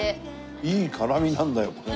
いい辛みなんだよこれが。